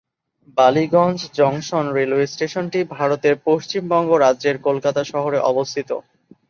Ballygunge junction railway স্টেশনটি ভারতের পশ্চিমবঙ্গ রাজ্যের কলকাতা শহরে অবস্থিত।